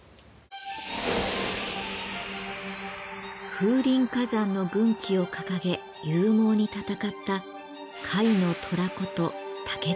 「風林火山」の軍旗を掲げ勇猛に戦った「甲斐の虎」こと武田信玄。